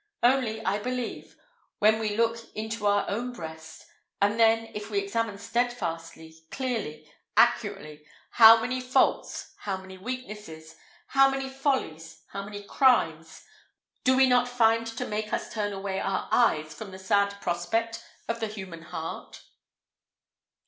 Only, I believe, when we look into our own breast; and then if we examine steadfastly, clearly, accurately, how many faults, how many weaknesses, how many follies, how many crimes, do we not find to make us turn away our eyes from the sad prospect of the human heart!